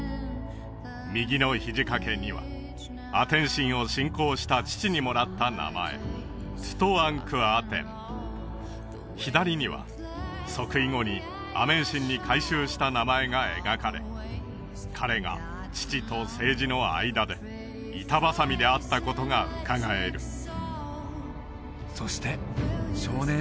右のひじ掛けにはアテン神を信仰した父にもらった名前左には即位後にアメン神に改宗した名前が描かれ彼が父と政治の間で板挟みであったことがうかがえるそして少年